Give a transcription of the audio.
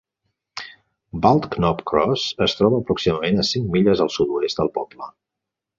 Bald Knob Cross es troba a aproximadament cinc milles al sud-oest del poble.